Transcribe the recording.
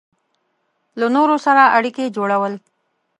له نورو سره اړیکې جوړول